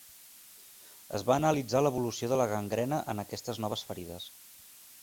Es va analitzar l'evolució de la gangrena en aquestes noves ferides.